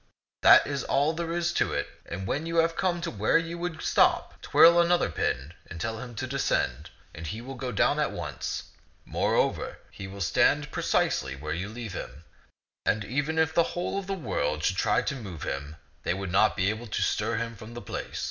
That is all there is to it. And when you have come to where you would stop, twirl another pin and tell him to descend, and he will go down at once. Moreover, he will stand pre cisely where you leave him ; and even if the whole world should try to move him, they would not be able to stir him from the place.